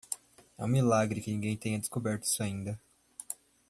É um milagre que ninguém tenha descoberto isso ainda.